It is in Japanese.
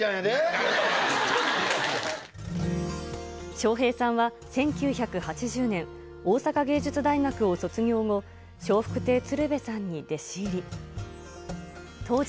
笑瓶さんは１９８０年、大阪芸術大学を卒業後、笑福亭鶴瓶さんに弟子入り。